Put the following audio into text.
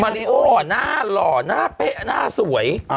ริโอหน้าหล่อหน้าเป๊ะหน้าสวย